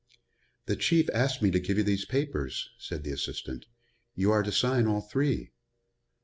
"The Chief asked me to give you these papers," said the assistant. "You are to sign all three."